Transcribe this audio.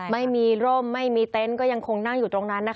ไม่มีร่มไม่มีเต็นต์ก็ยังคงนั่งอยู่ตรงนั้นนะคะ